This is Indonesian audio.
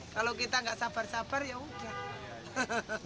kalau kita nggak sabar sabar ya udah